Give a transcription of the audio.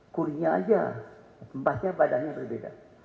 kurnya aja tempatnya badannya berbeda